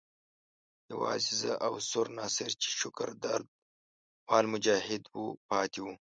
یوازې زه او سور ناصر چې شکر درده وال مجاهد وو پاتې وو.